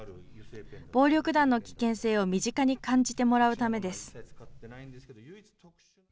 暴力団の危険性を身近に感じてもらうためです。